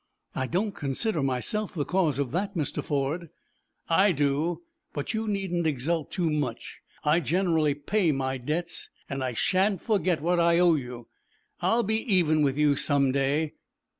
"I don't consider myself the cause of that, Mr. Ford." "I do. But you needn't exult too much. I generally pay my debts, and I shan't forget what I owe you. I will be even with you some day."